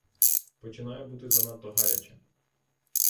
Починає бути занадто гаряче.